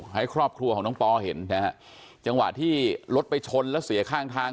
ให้ครอบครัวของน้องปอเห็นนะฮะจังหวะที่รถไปชนแล้วเสียข้างทาง